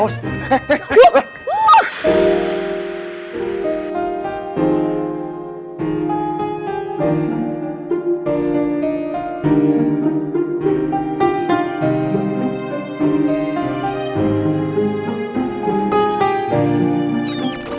tuhan saj exclamasional